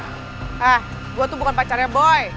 nah gue tuh bukan pacarnya boy